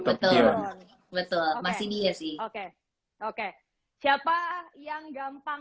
betul betul masih dia sih oke oke siapa yang gampang